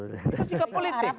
itu sikap politik